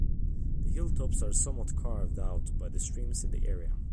The hilltops are somewhat "carved" out by the streams in the area.